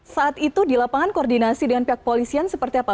saat itu di lapangan koordinasi dengan pihak polisian seperti apa